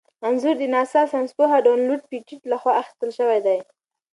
انځور د ناسا ساینسپوه ډونلډ پېټټ لخوا اخیستل شوی.